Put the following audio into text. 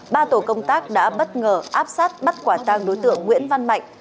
ba tổ công tác đã bất ngờ áp sát bắt quả tăng đối tượng nguyễn văn mạnh